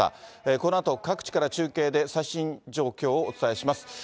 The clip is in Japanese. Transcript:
このあと、各地から中継で、最新状況をお伝えします。